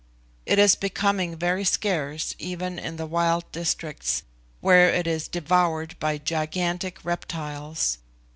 It is becoming very scarce even in the wild districts, where it is devoured by gigantic reptiles.